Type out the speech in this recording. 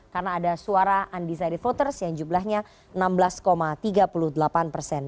karena ada suara undecided voters yang jumlahnya enam belas tiga puluh delapan persen